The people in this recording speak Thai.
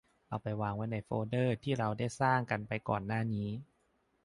เอาไปวางไว้ในโฟลเดอร์ที่เราได้สร้างกันไปก่อนหน้านี้